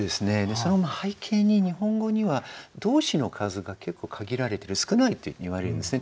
その背景に日本語には動詞の数が結構限られてる少ないっていわれるんですね。